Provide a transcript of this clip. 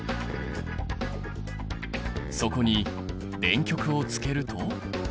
そこに電極をつけると。